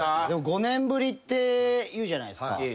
でも５年ぶりって言うじゃないですか。